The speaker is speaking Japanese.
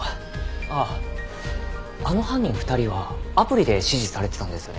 あっあの犯人２人はアプリで指示されてたんですよね？